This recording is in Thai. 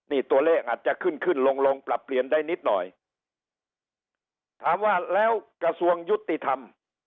นี่ตัวเลขอาจจะขึ้นขึ้นลงลงปรับเปลี่ยนได้นิดหน่อยถามว่าแล้วกระทรวงยุติธรรม